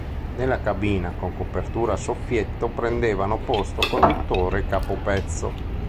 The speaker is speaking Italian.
Nella cabina con copertura a soffietto prendevano posto conduttore e capo-pezzo.